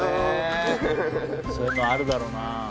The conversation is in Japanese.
そういうのあるだろうなぁ。